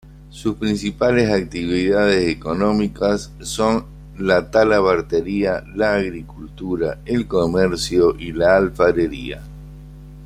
Sus principales actividades económicas son la talabartería, la agricultura, el comercio y la alfarería.